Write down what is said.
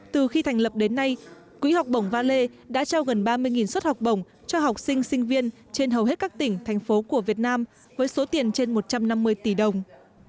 từ khi thành lập đến nay quỹ học bổng valet đã trao gần ba mươi suất học bổng cho học sinh sinh viên trên hầu hết các tỉnh thành phố của việt nam với số tiền trên một trăm năm mươi tỷ đồng